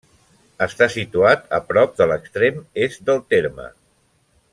Està situat a prop de l'extrem est del terme.